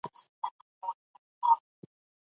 سهارنۍ د ورځې د کالوري مصرف ښه کوي.